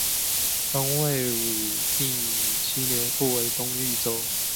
东魏武定七年复为东豫州。